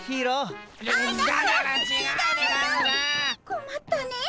こまったねえ。